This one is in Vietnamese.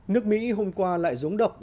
nước mỹ hôm qua lại giống độc